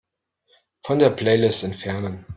Von der Playlist entfernen.